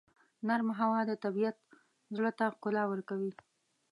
نرمه هوا د طبیعت زړه ته ښکلا ورکوي.